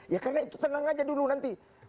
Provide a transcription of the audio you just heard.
ya karena itu tenang aja dulu nanti